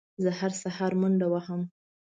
زه هره سهار منډه وهم